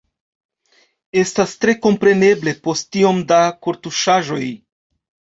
Estas tre kompreneble, post tiom da kortuŝaĵoj.